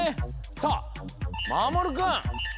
さあまもるくん！